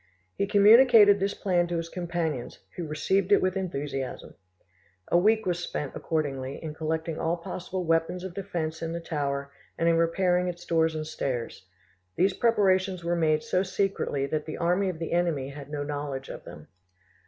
He communicated this plan to his companions, who received it with enthusiasm. A week was spent, accordingly, in collecting all possible weapons of defence in the tower and in repairing its doors and stairs. These preparations were made so secretly that the army of the enemy had no knowledge of them.